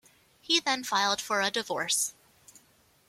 He then filed for a divorce.